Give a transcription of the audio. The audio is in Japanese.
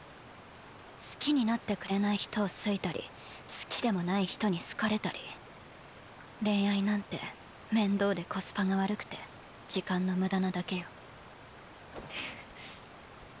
好きになってくれない人を好いたり好きでもない人に好かれたり恋愛なんて面倒でコスパが悪くて時間の無駄なだけよ。